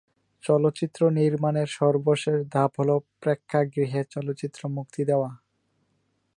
চলচ্চিত্র নির্মাণের সর্বশেষ ধাপ হল প্রেক্ষাগৃহে চলচ্চিত্র মুক্তি দেওয়া।